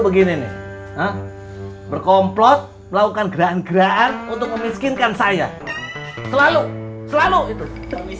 begini nih berkomplot melakukan gerakan gerakan untuk memiskinkan saya selalu selalu itu